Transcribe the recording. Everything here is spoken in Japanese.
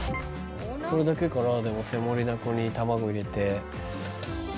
これだけかなでもセモリナ粉に卵入れて。